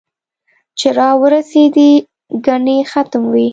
چې را ورېسېدې ګنې ختم وې